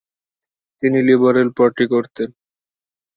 তিনি liberal party করতেন।